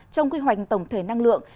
trong quy hoạch tổng thể năng lượng